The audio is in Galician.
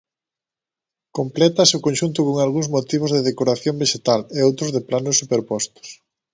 Complétase o conxunto con algúns motivos de decoración vexetal, e outros de planos superpostos.